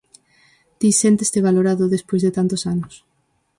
Ti sénteste valorado, despois de tantos anos?